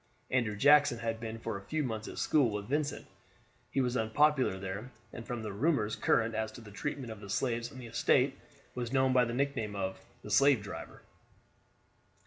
Andrew Jackson had been for a few months at school with Vincent; he was unpopular there, and from the rumors current as to the treatment of the slaves on the estate, was known by the nickname of the "slave driver."